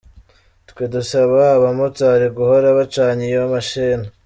twe dusaba abamotari guhora bacanye iyo mashini.